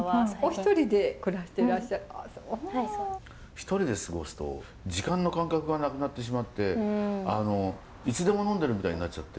一人で過ごすと時間の感覚がなくなってしまっていつでも呑んでるみたいになっちゃって。